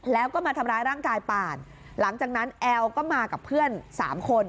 แล้วก็มาทำร้ายร่างกายป่านหลังจากนั้นแอลก็มากับเพื่อนสามคน